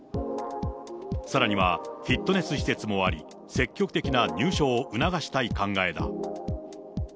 さらにはフィットネス施設もあり、積極的な入所を促したい考えだ。